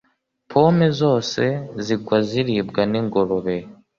Pome zose zigwa ziribwa ningurube.